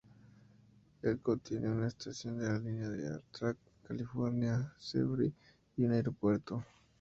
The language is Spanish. Elko tiene una estación de la línea de Amtrak "California Zephyr" y un aeropuerto.